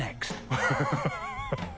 アハハハ